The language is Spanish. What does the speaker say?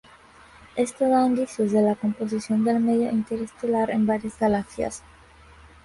Esto da indicios de la composición del medio interestelar en varias galaxias.